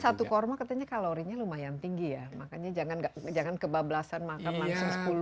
satu kurma katanya kalorinya lumayan tinggi ya makanya jangan kebablasan makan langsung sepuluh